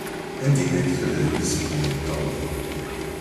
Anida i llant tudrin i ṣeffḍen yimeṭṭawen.